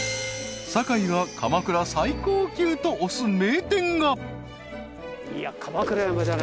［堺が鎌倉最高級と推す名店が］